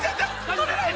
⁉取れない！